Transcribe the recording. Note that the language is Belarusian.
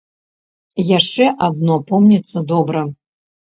Яшчэ адно помніцца добра.